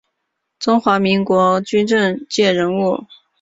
中华民国军政界人物。